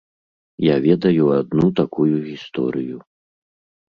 Я ведаю адну такую гісторыю.